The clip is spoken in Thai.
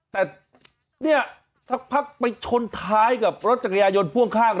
แต่เนี่ยสักพักไปชนท้ายกับรถจักรยายนพ่วงข้าง